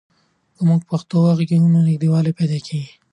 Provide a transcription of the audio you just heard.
که موږ په پښتو وغږېږو نو نږدېوالی پیدا کېږي.